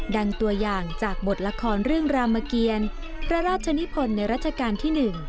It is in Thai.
ดังตัวอย่างจากบทละครเรื่องรามเกียรพระราชนิพลในรัชกาลที่๑